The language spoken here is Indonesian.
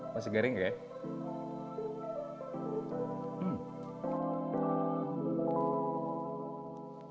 masih garing nggak ya